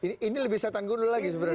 ini lebih setan gunung lagi sebenarnya